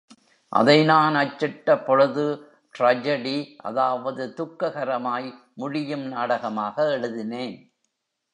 அதை நான் அச்சிட்ட பொழுது டிராஜெடி அதாவது துக்ககரமாய் முடியும் நாடகமாக எழுதினேன்.